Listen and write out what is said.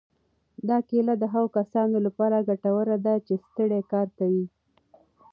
دا کیله د هغو کسانو لپاره ګټوره ده چې ستړی کار کوي.